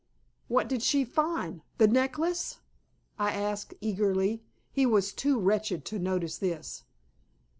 "What did she find? The necklace?" I asked eagerly. He was too wretched to notice this.